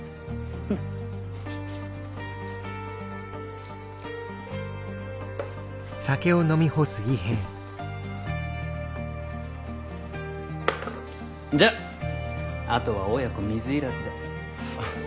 んじゃあとは親子水入らずで。